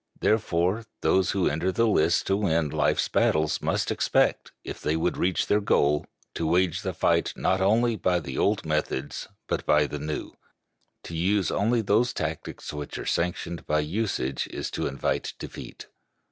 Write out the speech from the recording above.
Therefore, those who enter the lists to win life's battles must expect, if they would reach their goal, to wage the fight not only by the old methods but by the new. To use only those tactics which are sanctioned by usage is to invite defeat.